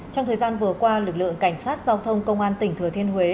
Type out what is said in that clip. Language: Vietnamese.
trong thời gian vừa qua lực lượng cảnh sát giao thông công an tỉnh thừa thiên huế